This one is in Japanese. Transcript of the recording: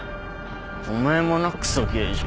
お前もなクソ刑事。